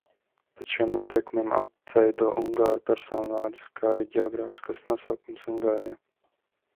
Pēc šiem noteikumiem atveido ungāru personvārdus, kā arī ģeogrāfiskos nosaukumus Ungārijā.